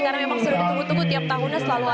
karena memang sudah ditunggu tunggu